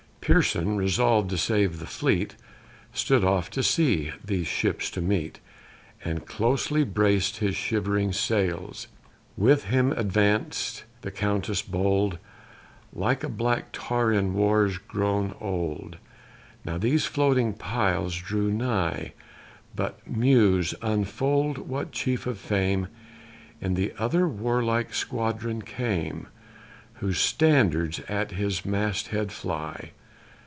Pearson, resolv'd to save the fleet, Stood off to sea, these ships to meet, And closely brac'd his shivering sails. With him advanc'd the Countess bold, Like a black tar in wars grown old: And now these floating piles drew nigh. But, muse, unfold what chief of fame In the other warlike squadron came, Whose standards at his mast head fly.